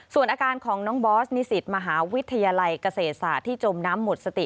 ส่วนอาการของน้องบอสนิสิตมหาวิทยาลัยเกษตรศาสตร์ที่จมน้ำหมดสติ